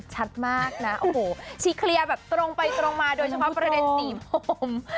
ชัดมากนะโอ้โหชีเคลียร์แบบตรงไปตรงมาโดยเฉพาะประเด็นสี่มุม